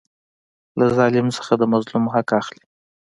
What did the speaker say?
له ظالم څخه د مظلوم حق اخلي.